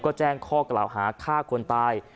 ก็แจ้งข้อกล่าวหาฆ่าคนตาย